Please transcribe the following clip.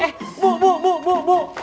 eh bu bu bu bu